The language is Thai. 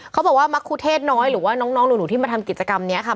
เขาบอกว่ามะคุเทศน้อยหรือว่าน้องหนูที่มาทำกิจกรรมนี้ค่ะ